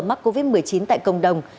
mắc covid một mươi chín tại công đồng